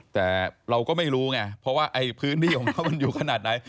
แต่เราก็ไม่รู้ไงเพราะว่าพื้นที่ของเขามันอยู่ขนาดไหน